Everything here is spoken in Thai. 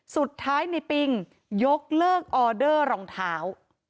สุดท้ายในปิงยกเลิกออเดอร์รองเท้า